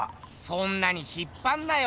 そんなに引っぱんなよ！